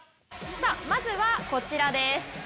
まずはこちらです。